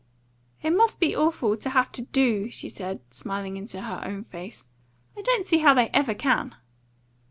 "It must be awful to have to DO," she said, smiling into her own face. "I don't see how they ever can."